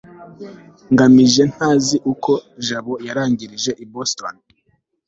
ngamije ntazi uko jabo yarangirije i boston